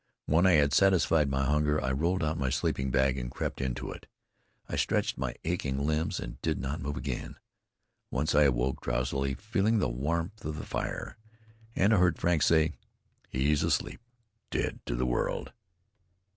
When I had satisfied my hunger, I rolled out my sleeping bag and crept into it. I stretched my aching limbs and did not move again. Once I awoke, drowsily feeling the warmth of the fire, and I heard Frank say: "He's asleep, dead to the world!"